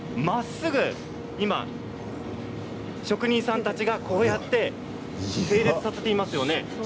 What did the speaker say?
まっすぐ職人さんたちがこうやって整列させていますよね。